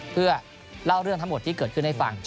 เพื่อเล่าเรื่องทั้งหมดที่เกิดขึ้นให้ฟัง